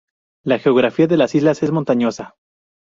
La geografía de las islas es montañosa.